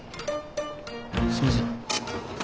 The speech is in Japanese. すいません。